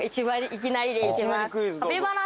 いきなりでいきます